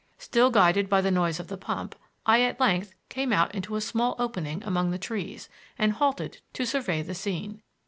Still guided by the noise of the pump, I at length came out into a small opening among the trees and halted to survey the scene.